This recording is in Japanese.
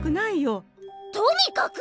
とにかく！